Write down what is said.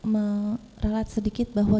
merawat sedikit bahwa